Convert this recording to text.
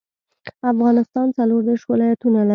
افغانستان څلور ديرش ولايتونه لري.